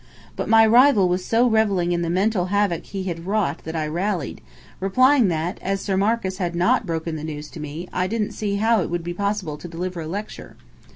But my rival was so revelling in the mental havoc he had wrought that I rallied, replying that, as Sir Marcus had not broken the news to me, I didn't see how it would be possible to deliver a lecture.